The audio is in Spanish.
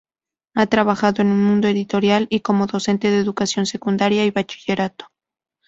Ha trabajado en el mundo editorial y como docente de Educación Secundaria y Bachillerato.